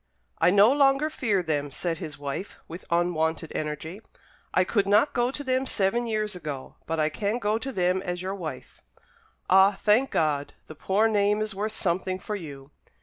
"I no longer fear them," said his wife, with unwonted energy, "I could not go to them seven years ago; but I can go to them as your wife." "Ah, thank God, the poor name is worth something for you."